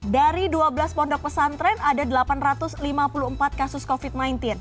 dari dua belas pondok pesantren ada delapan ratus lima puluh empat kasus covid sembilan belas